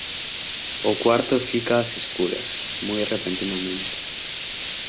O cuarto fica ás escuras, moi repentinamente.